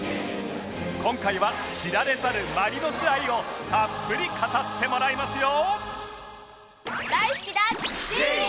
今回は知られざるマリノス愛をたっぷり語ってもらいますよ